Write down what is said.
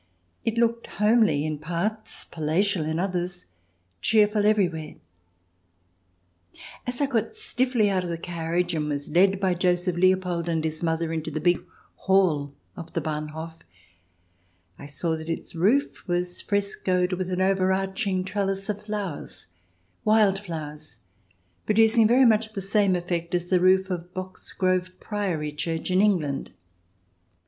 It looked homely in parts, palatial in others, cheerful every where. As I got stiffly out of the carriage and was led by Joseph Leopold and his mother into the big hall of the Bahnhof, I saw that its roof was frescoed with an overarching trellis of flowers — wild flowers, producing very much the same effect as the roof of Boxgrove Priory Church in England.